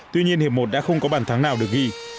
tuy nhiên hiệp một đã không có bàn thắng nào được ghi